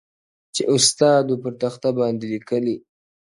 چي استاد وو پر تخته باندي لیکلی٫